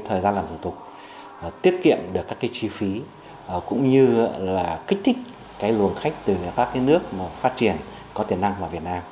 thời gian làm thủ tục tiết kiệm được các chi phí cũng như kích thích luồng khách từ các nước phát triển có tiềm năng vào việt nam